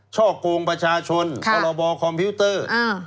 ช่อกงประชาชนพรบคอมพิวเตอร์